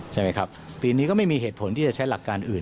ใช่ไหมครับปีนี้ก็ไม่มีเหตุผลที่จะใช้หลักการอื่น